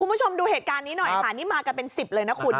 คุณผู้ชมดูเหตุการณ์นี้หน่อยค่ะนี่มากันเป็นสิบเลยนะคุณ